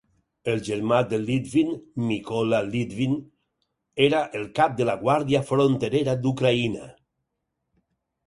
El germà de Lytvyn, Mykola Lytvyn, era el cap de la guàrdia fronterera d'Ucraïna.